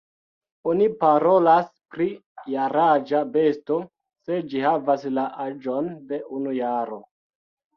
Oni parolas pri jaraĝa besto, se ĝi havas la aĝon de unu jaro.